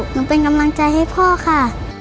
หนูเป็นกำลังใจให้พ่อค่ะ